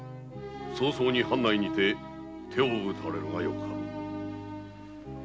早々に藩内にて手を打たれるがよかろう。